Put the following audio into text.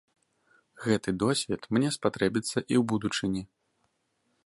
Гэты досвед мне спатрэбіцца і ў будучыні.